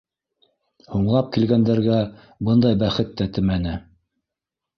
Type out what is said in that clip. Һуңлап килгәндәргә бындай бәхет тәтемәне.